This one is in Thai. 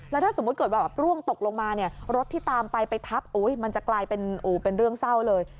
แล้วถ้าสมมุติเกิดว่าร่วงตกลงมาเนี่ยรถที่ตามไปไปทับมันจะกลายเป็นเรื่องเศร้าเลย